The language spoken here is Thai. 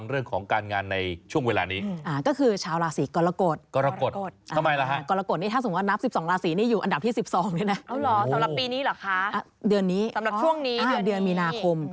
เดือนนี้สำหรับช่วงนี้เดือนมีนาคม